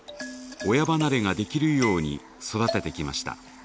「親離れ」ができるように育ててきました。